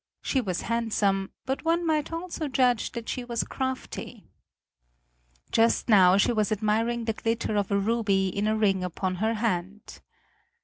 She was handsome, but one might also judge that she was crafty. Just now she was admiring the glitter of a ruby in a ring upon her hand.